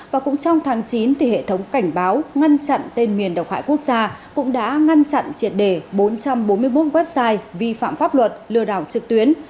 và cũng trong tháng chín thì hệ thống cảnh báo ngăn chặn tên miền độc hại quốc gia cũng đã ngăn chặn triệt đề bốn trăm bốn mươi một website vi phạm pháp luật lừa đảo trực tuyến